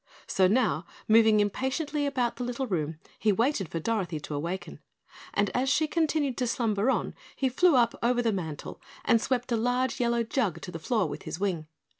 So now, moving impatiently about the little room, he waited for Dorothy to awaken, and as she continued to slumber on, he flew up over the mantel and swept a large yellow jug to the floor with his wing.